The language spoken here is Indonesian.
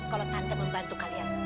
kalo tante membantu kalian